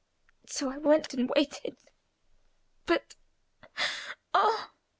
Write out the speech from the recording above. So I went and waited; but, oh!